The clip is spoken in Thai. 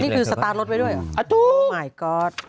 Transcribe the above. วันนี้คือสตาร์ทรถไว้ด้วยเหรอค่ะโอ้มายก็อด